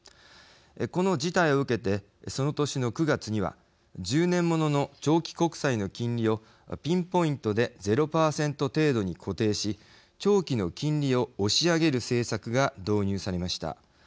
この事態を受けてその年の９月には１０年ものの長期国債の金利をピンポイントで０％程度に固定し長期の金利を押し上げる政策が導入されました。